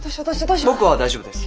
僕は大丈夫です。